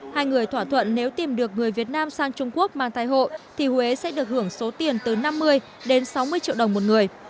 hai người thỏa thuận nếu tìm được người việt nam sang trung quốc mang thai hộ thì huế sẽ được hưởng số tiền từ năm mươi đến sáu mươi triệu đồng một người